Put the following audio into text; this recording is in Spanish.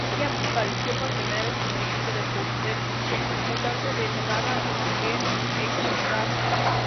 Ella apareció por primera vez como miembro del burdel mutante de Nevada, el X-Ranch.